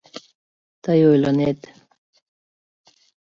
— Тый ойлынет...